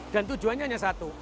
dan tujuannya hanya satu